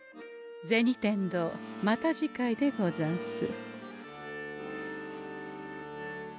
銭天堂また次回でござんす。